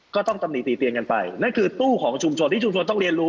ตำหนิติเตียนกันไปนั่นคือตู้ของชุมชนที่ชุมชนต้องเรียนรู้